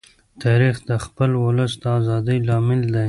تاریخ د خپل ولس د ازادۍ لامل دی.